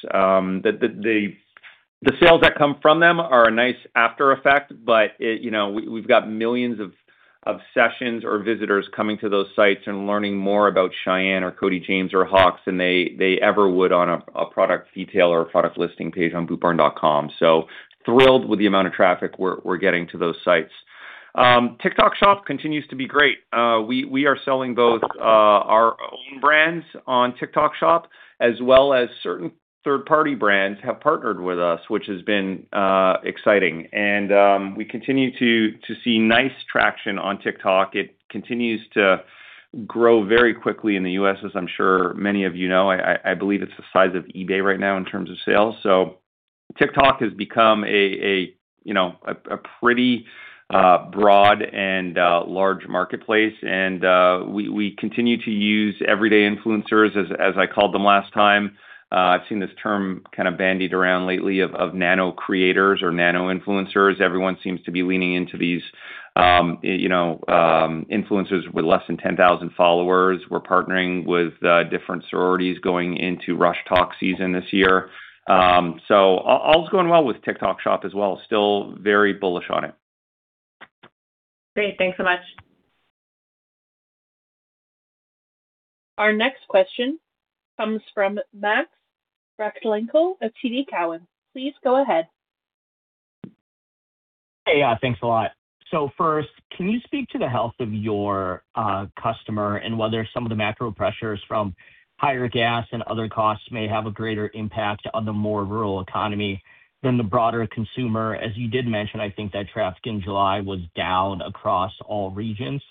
C: The sales that come from them are a nice after effect, we've got millions of sessions or visitors coming to those sites and learning more about Shyanne or Cody James or Hawx than they ever would on a product detail or a product listing page on bootbarn.com. Thrilled with the amount of traffic we're getting to those sites. TikTok Shop continues to be great. We are selling both our own brands on TikTok Shop as well as certain third-party brands have partnered with us, which has been exciting. We continue to see nice traction on TikTok. It continues to grow very quickly in the U.S., as I'm sure many of you know. I believe it's the size of eBay right now in terms of sales. TikTok has become a pretty broad and large marketplace. We continue to use everyday influencers as I called them last time. I've seen this term kind of bandied around lately of nano creators or nano influencers. Everyone seems to be leaning into these influencers with less than 10,000 followers. We're partnering with different sororities going into RushTok season this year. All's going well with TikTok Shop as well. Still very bullish on it.
K: Great. Thanks so much.
A: Our next question comes from Max Rakhlenko of TD Cowen. Please go ahead.
L: Hey. Thanks a lot. First, can you speak to the health of your customer and whether some of the macro pressures from higher gas and other costs may have a greater impact on the more rural economy than the broader consumer? As you did mention, I think that traffic in July was down across all regions,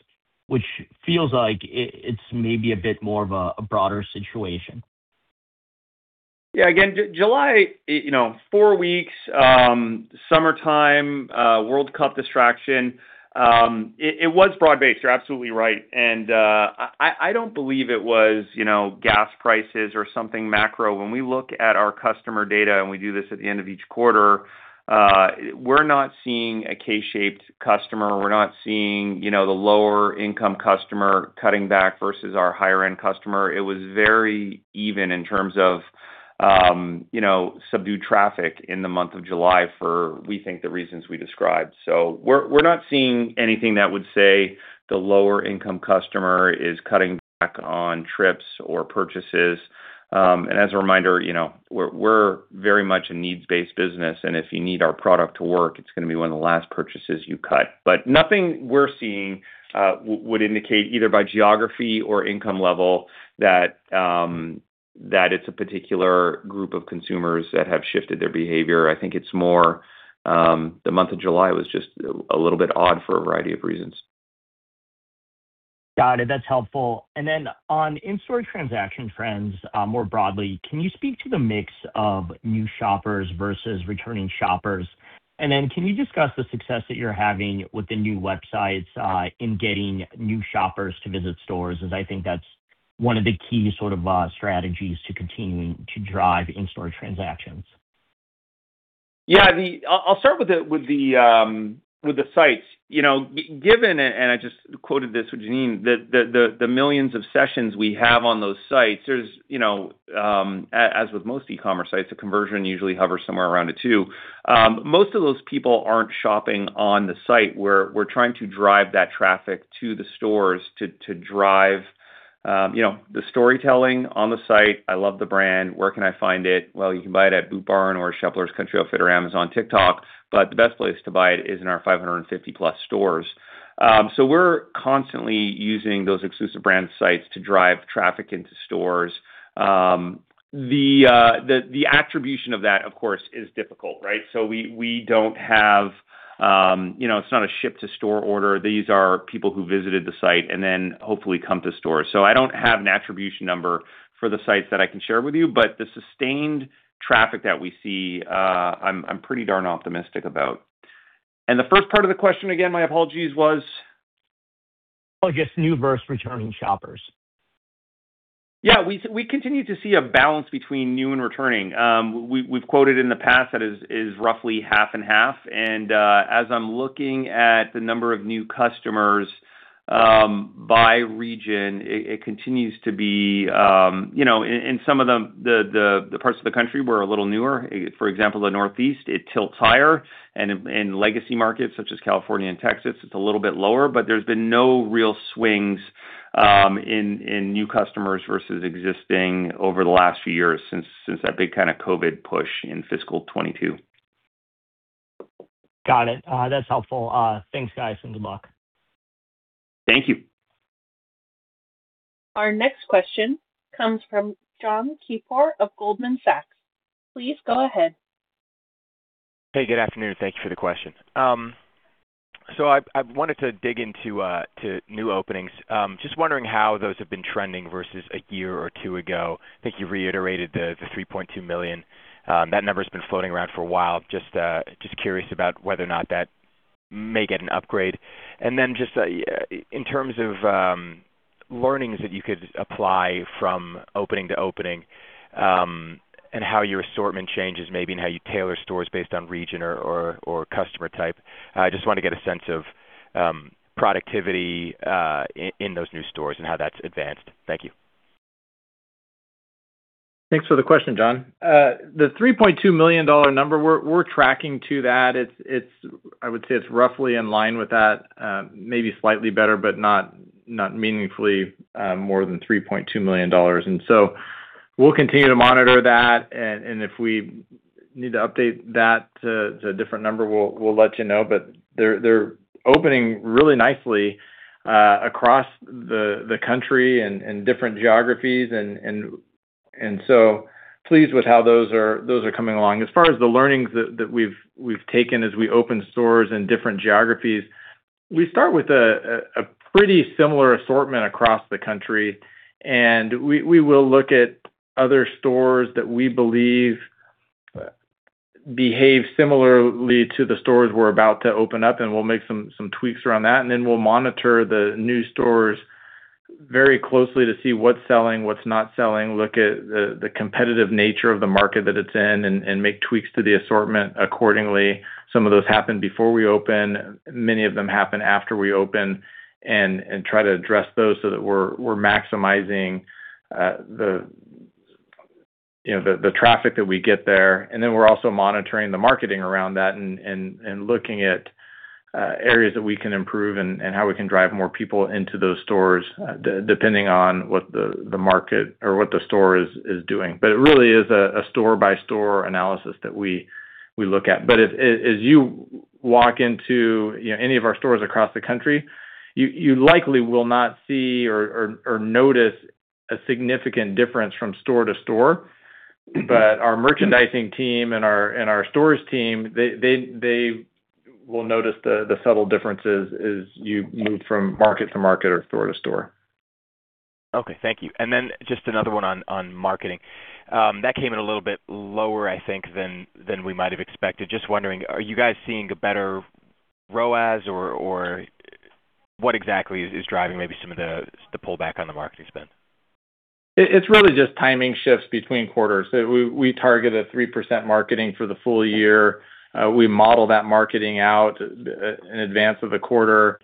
L: which feels like it's maybe a bit more of a broader situation.
C: Yeah. Again, July, four weeks, summertime, World Cup distraction. It was broad-based. You're absolutely right. I don't believe it was gas prices or something macro. When we look at our customer data, and we do this at the end of each quarter, we're not seeing a K-shaped customer. We're not seeing the lower income customer cutting back versus our higher end customer. It was very even in terms of subdued traffic in the month of July for, we think, the reasons we described. We're not seeing anything that would say the lower income customer is cutting back on trips or purchases. As a reminder, we're very much a needs-based business, and if you need our product to work, it's going to be one of the last purchases you cut. Nothing we're seeing would indicate either by geography or income level that it's a particular group of consumers that have shifted their behavior. I think it's more, the month of July was just a little bit odd for a variety of reasons.
L: Got it. That's helpful. On in-store transaction trends, more broadly, can you speak to the mix of new shoppers versus returning shoppers? Can you discuss the success that you're having with the new websites, in getting new shoppers to visit stores? As I think that's one of the key sort of strategies to continuing to drive in-store transactions.
C: Yeah. I'll start with the sites. Given, and I just quoted this with Janine, the millions of sessions we have on those sites, as with most e-commerce sites, the conversion usually hovers somewhere around a two. Most of those people aren't shopping on the site. We're trying to drive that traffic to the stores to drive the storytelling on the site. I love the brand. Where can I find it? Well, you can buy it at Boot Barn or Sheplers Country Outfitter or Amazon, TikTok, but the best place to buy it is in our 550+ stores. We're constantly using those exclusive brand sites to drive traffic into stores. The attribution of that, of course, is difficult, right? We don't have it's not a ship to store order. These are people who visited the site and then hopefully come to store. I don't have an attribution number for the sites that I can share with you, but the sustained traffic that we see, I'm pretty darn optimistic about. The first part of the question again, my apologies, was?
L: I guess new versus returning shoppers.
C: Yeah. We continue to see a balance between new and returning. We've quoted in the past that is roughly half and half. As I'm looking at the number of new customers, by region, in some of the parts of the country, we're a little newer. For example, the Northeast, it tilts higher. In legacy markets such as California and Texas, it's a little bit lower, but there's been no real swings In new customers versus existing over the last few years since that big COVID push in fiscal 2022.
L: Got it. That's helpful. Thanks, guys, and good luck.
C: Thank you.
A: Our next question comes from Jon Keypour of Goldman Sachs. Please go ahead.
M: Hey, good afternoon. Thank you for the question. I wanted to dig into new openings. Just wondering how those have been trending versus a year or two ago. I think you reiterated the $3.2 million. That number's been floating around for a while. Just curious about whether or not that may get an upgrade. Just in terms of learnings that you could apply from opening to opening, and how your assortment changes, maybe, and how you tailor stores based on region or customer type. I just want to get a sense of productivity in those new stores and how that's advanced. Thank you.
D: Thanks for the question, Jon. The $3.2 million number, we're tracking to that. I would say it's roughly in line with that. Maybe slightly better, but not meaningfully more than $3.2 million. We'll continue to monitor that, and if we need to update that to a different number, we'll let you know. They're opening really nicely across the country and different geographies, pleased with how those are coming along. As far as the learnings that we've taken as we open stores in different geographies, we start with a pretty similar assortment across the country, we will look at other stores that we believe behave similarly to the stores we're about to open up, and we'll make some tweaks around that. We'll monitor the new stores very closely to see what's selling, what's not selling, look at the competitive nature of the market that it's in, and make tweaks to the assortment accordingly. Some of those happen before we open. Many of them happen after we open and try to address those so that we're maximizing the traffic that we get there. We're also monitoring the marketing around that and looking at areas that we can improve and how we can drive more people into those stores, depending on what the market or what the store is doing. It really is a store-by-store analysis that we look at. As you walk into any of our stores across the country, you likely will not see or notice a significant difference from store to store. Our merchandising team and our stores team, they will notice the subtle differences as you move from market to market or store to store.
M: Okay. Thank you. Just another one on marketing. That came in a little bit lower, I think, than we might have expected. Just wondering, are you guys seeing a better ROAS, or what exactly is driving maybe some of the pullback on the marketing spend?
D: It's really just timing shifts between quarters. We target a 3% marketing for the full year. We model that marketing out in advance of the quarter,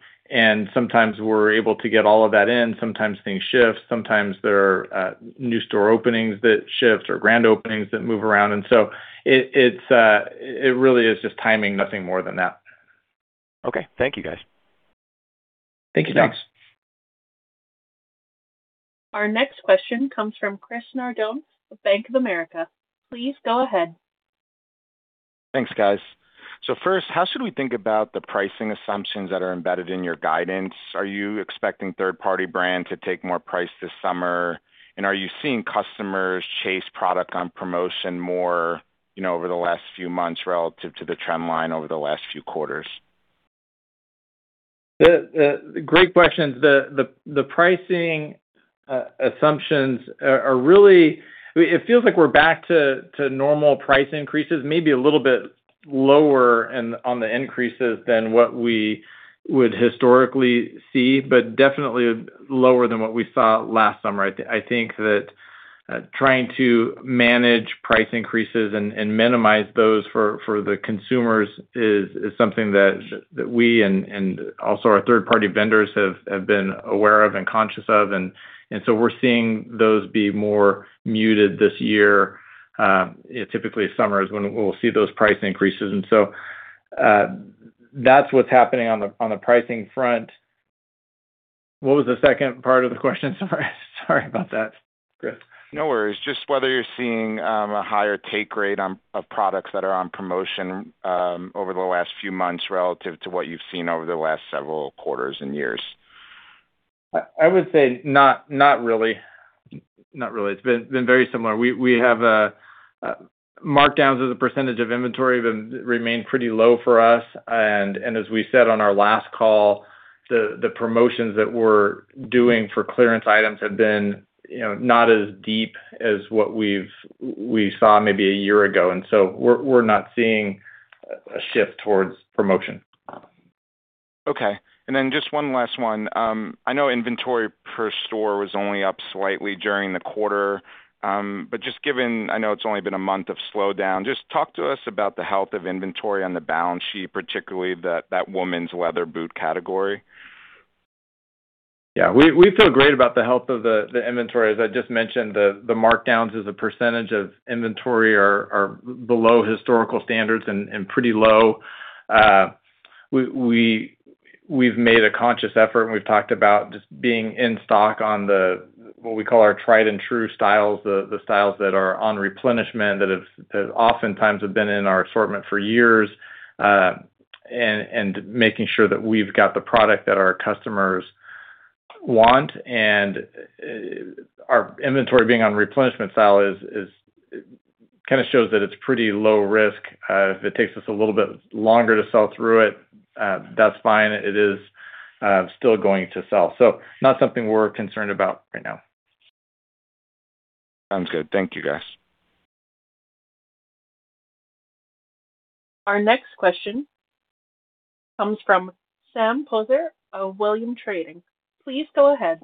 D: sometimes we're able to get all of that in. Sometimes things shift. Sometimes there are new store openings that shift or grand openings that move around. It really is just timing, nothing more than that.
M: Okay. Thank you, guys.
D: Thank you, Jon.
A: Our next question comes from Chris Nardone of Bank of America. Please go ahead.
N: Thanks, guys. First, how should we think about the pricing assumptions that are embedded in your guidance? Are you expecting third-party brands to take more price this summer? Are you seeing customers chase product on promotion more over the last few months relative to the trend line over the last few quarters?
D: Great questions. The pricing assumptions are It feels like we're back to normal price increases, maybe a little bit lower on the increases than what we would historically see, but definitely lower than what we saw last summer. I think that trying to manage price increases and minimize those for the consumers is something that we and also our third-party vendors have been aware of and conscious of, so we're seeing those be more muted this year. Typically, summer is when we'll see those price increases, so that's what's happening on the pricing front. What was the second part of the question? Sorry about that, Chris.
N: No worries. Just whether you're seeing a higher take rate of products that are on promotion over the last few months relative to what you've seen over the last several quarters and years.
D: I would say not really. It's been very similar. We have markdowns as a percentage of inventory remain pretty low for us. As we said on our last call, the promotions that we're doing for clearance items have been not as deep as what we saw maybe a year ago, we're not seeing a shift towards promotion.
N: Okay. Just one last one. I know inventory per store was only up slightly during the quarter. Just given, I know it's only been a month of slowdown, just talk to us about the health of inventory on the balance sheet, particularly that women's leather boot category.
D: Yeah. We feel great about the health of the inventory. As I just mentioned, the markdowns as a percentage of inventory are below historical standards and pretty low. We've made a conscious effort, we've talked about just being in stock on the, what we call our tried-and-true styles, the styles that are on replenishment, that oftentimes have been in our assortment for years, making sure that we've got the product that our customers want. Our inventory being on replenishment style kind of shows that it's pretty low risk. If it takes us a little bit longer to sell through it, that's fine. It is still going to sell. Not something we're concerned about right now.
N: Sounds good. Thank you, guys.
A: Our next question comes from Sam Poser of Williams Trading. Please go ahead.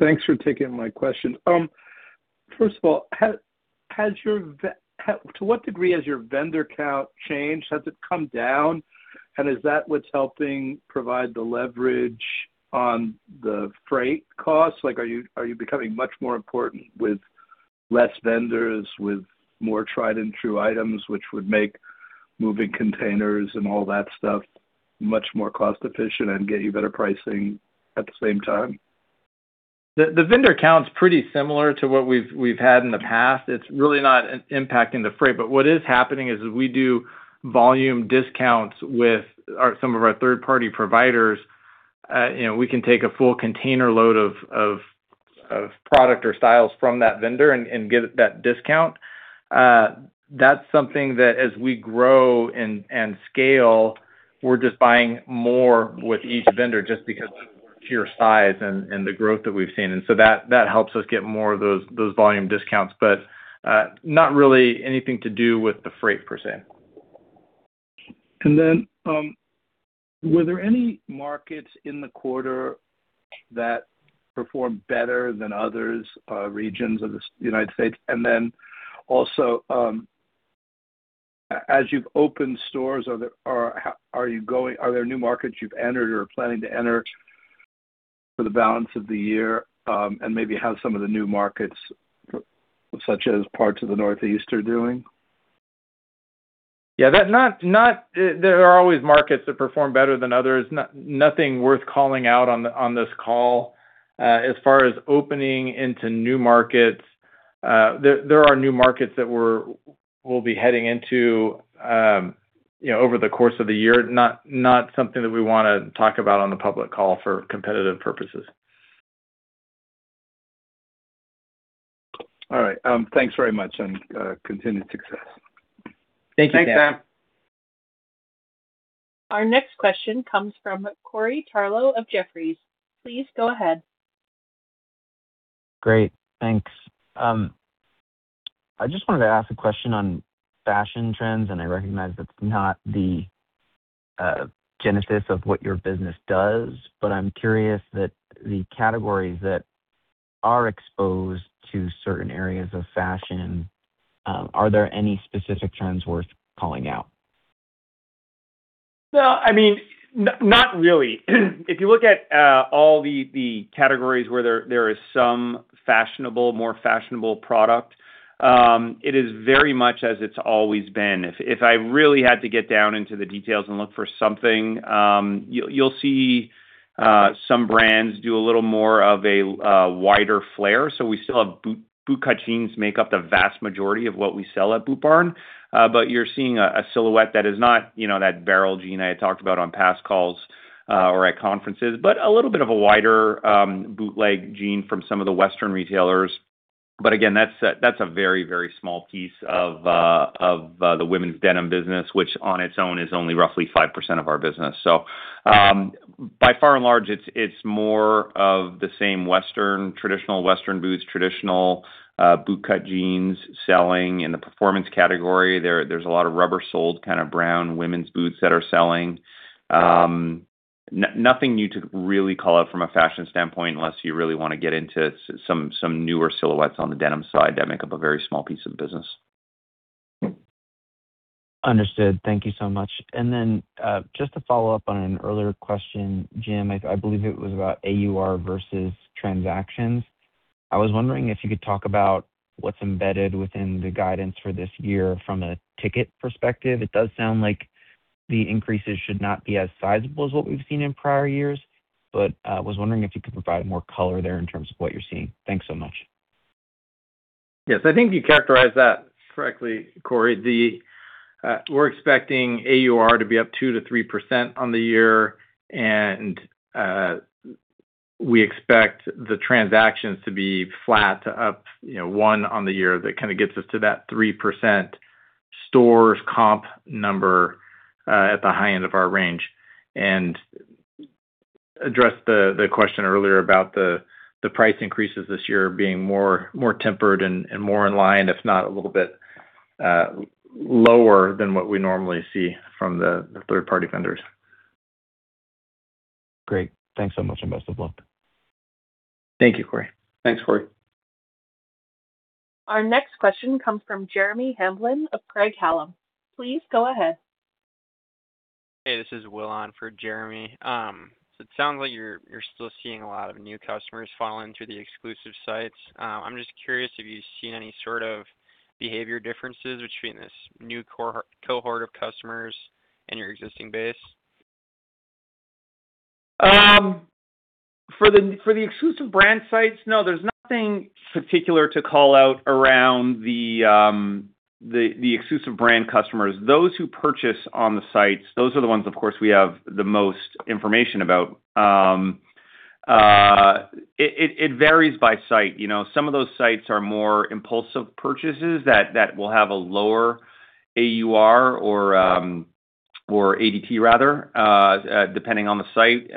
O: Thanks for taking my question. First of all, to what degree has your vendor count changed? Has it come down? Is that what's helping provide the leverage on the freight costs? Are you becoming much more important with less vendors, with more tried-and-true items, which would make moving containers and all that stuff much more cost-efficient and get you better pricing at the same time?
D: The vendor count's pretty similar to what we've had in the past. It's really not impacting the freight. What is happening is we do volume discounts with some of our third-party providers. We can take a full container load of product or styles from that vendor and get that discount. That's something that, as we grow and scale, we're just buying more with each vendor just because of pure size and the growth that we've seen. That helps us get more of those volume discounts. Not really anything to do with the freight, per se.
O: Were there any markets in the quarter that performed better than others, regions of the United States? Also, as you've opened stores, are there new markets you've entered or are planning to enter for the balance of the year? Maybe how some of the new markets, such as parts of the Northeast, are doing?
D: Yeah. There are always markets that perform better than others. Nothing worth calling out on this call. As far as opening into new markets, there are new markets that we'll be heading into over the course of the year. Not something that we want to talk about on the public call for competitive purposes.
O: All right. Thanks very much, and continued success.
C: Thank you, Sam.
D: Thanks, Sam.
A: Our next question comes from Corey Tarlowe of Jefferies. Please go ahead.
P: Great, thanks. I just wanted to ask a question on fashion trends. I recognize that's not the genesis of what your business does. I'm curious that the categories that are exposed to certain areas of fashion, are there any specific trends worth calling out?
C: No, not really. If you look at all the categories where there is some more fashionable product, it is very much as it's always been. If I really had to get down into the details and look for something, you'll see some brands do a little more of a wider flare. We still have boot cut jeans make up the vast majority of what we sell at Boot Barn. You're seeing a silhouette that is not that barrel jean I had talked about on past calls or at conferences, but a little bit of a wider bootleg jean from some of the Western retailers. Again, that's a very, very small piece of the women's denim business, which on its own is only roughly 5% of our business. By far and large, it's more of the same Western, traditional Western boots, traditional boot cut jeans selling. In the performance category, there's a lot of rubber-soled, kind of brown women's boots that are selling. Nothing new to really call out from a fashion standpoint, unless you really want to get into some newer silhouettes on the denim side that make up a very small piece of business.
P: Understood. Thank you so much. Just to follow up on an earlier question, Jim, I believe it was about AUR versus transactions. I was wondering if you could talk about what's embedded within the guidance for this year from a ticket perspective. It does sound like the increases should not be as sizable as what we've seen in prior years, I was wondering if you could provide more color there in terms of what you're seeing. Thanks so much.
D: Yes, I think you characterized that correctly, Corey. We're expecting AUR to be up 2%-3% on the year, and we expect the transactions to be flat to up one on the year. That kind of gets us to that 3% stores comp number at the high end of our range. Addressed the question earlier about the price increases this year being more tempered and more in line, if not a little bit lower than what we normally see from the third-party vendors.
P: Great. Thanks so much, best of luck.
D: Thank you, Corey.
C: Thanks, Corey.
A: Our next question comes from Jeremy Hamblin of Craig-Hallum. Please go ahead.
Q: Hey, this is Will on for Jeremy. It sounds like you're still seeing a lot of new customers falling through the exclusive brands. I'm just curious if you've seen any sort of behavior differences between this new cohort of customers and your existing base.
C: For the exclusive brand sites, no, there's nothing particular to call out around the exclusive brand customers. Those who purchase on the sites, those are the ones, of course, we have the most information about. It varies by site. Some of those sites are more impulsive purchases that will have a lower AUR or ADT rather, depending on the site.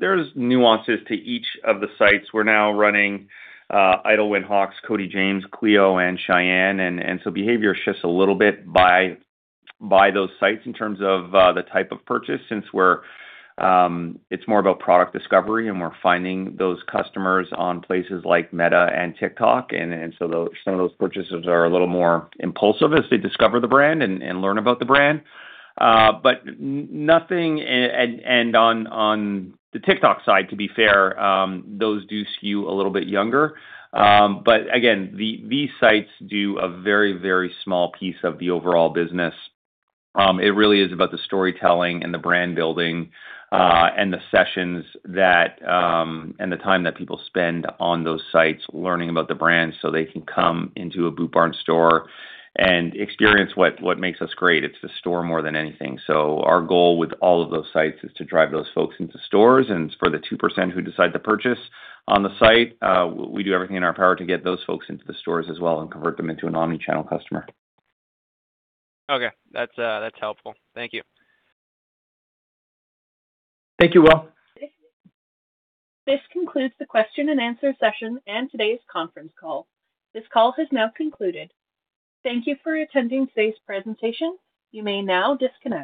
C: There's nuances to each of the sites. We're now running Idyllwind, Hawx, Cody James, Cleo, and Shyanne. Behavior shifts a little bit by those sites in terms of the type of purchase, since it's more about product discovery, and we're finding those customers on places like Meta and TikTok. Some of those purchases are a little more impulsive as they discover the brand and learn about the brand. On the TikTok side, to be fair, those do skew a little bit younger. Again, these sites do a very small piece of the overall business. It really is about the storytelling and the brand building, and the sessions and the time that people spend on those sites learning about the brand so they can come into a Boot Barn store and experience what makes us great. It's the store more than anything. Our goal with all of those sites is to drive those folks into stores. For the 2% who decide to purchase on the site, we do everything in our power to get those folks into the stores as well and convert them into an omni-channel customer.
Q: Okay. That's helpful. Thank you.
C: Thank you, Will.
A: This concludes the question and answer session and today's conference call. This call has now concluded. Thank you for attending today's presentation. You may now disconnect.